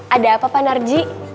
ada apa pak narji